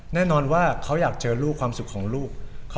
แน่นอนว่าเขาอยากเจอลูกความสุขของลูก